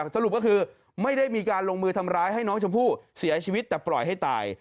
สรุปก็คือไม่ได้มีการลงมือทำร้ายให้น้องชมพู่เสียชีวิตแต่ปล่อยให้ตาย